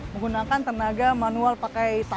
menggunakan tenaga manual pakai tangan seperti tadi